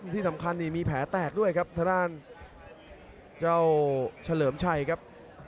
ที่สำคัญมีแผลแตกด้วยครับทะดานเฉลิมชัยครับ